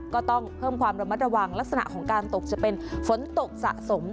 ก็ต้องเพิ่มความระมัดระวังลักษณะของการตกจะเป็นฝนตกสะสม